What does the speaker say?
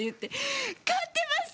勝ってます！